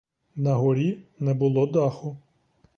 На горі не було даху.